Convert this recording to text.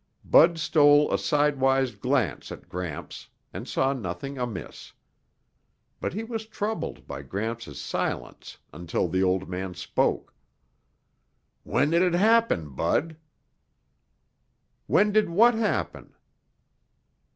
Bud stole a sidewise glance at Gramps and saw nothing amiss. But he was troubled by Gramps' silence until the old man spoke, "When'd it happen, Bud?" "When did what happen?"